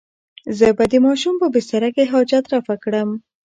زه به د ماشوم په بستره کې حاجت رفع کړم.